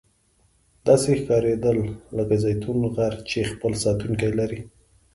داسې ښکاریدل لکه زیتون غر چې خپل ساتونکي لري.